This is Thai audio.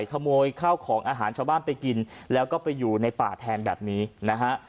ขโมยข้าวของอาหารชาวบ้านไปกินแล้วก็ไปอยู่ในป่าแทนแบบนี้นะฮะ